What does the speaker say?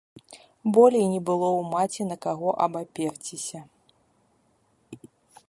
Болей не было ў маці на каго абаперціся.